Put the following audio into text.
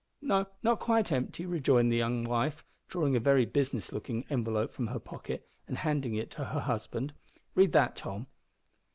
"No, not quite empty," rejoined the young wife, drawing a very business looking envelope from her pocket and handing it to her husband. "Read that, Tom."